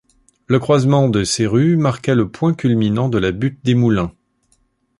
Le croisement de ces rues marquait le point culminant de la butte des Moulins.